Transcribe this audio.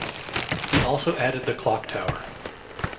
He also added the clock tower.